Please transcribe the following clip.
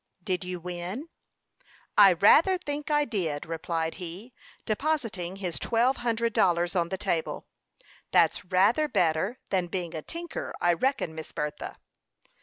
"Did you win?" "I rather think I did," replied he, depositing his twelve hundred dollars on the table. "That's rather better than being a tinker, I reckon, Miss Bertha."